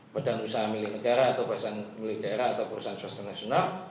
badan usaha milik negara atau perusahaan milik daerah atau perusahaan swasta nasional